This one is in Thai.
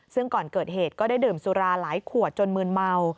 ซึ่งก่อนเกิดเหตุก็ได้ดื่มสุราหลายขวดจนมืนเมา